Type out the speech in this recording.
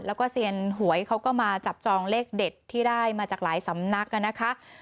แล้วก็เซียนหวยเขาก็มาจับจองเลขเด็ดที่ได้มาจากหลายสำนักนะคะ